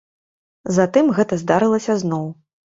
Затым гэта здарылася зноў.